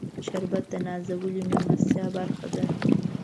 شربت د نازولې میلمستیا برخه ده